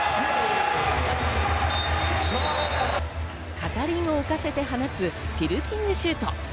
片輪を浮かせて放つティルティングシュート。